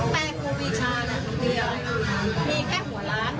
แต่ครูพีชานะครับ